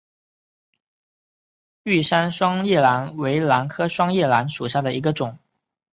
玉山双叶兰为兰科双叶兰属下的一个种。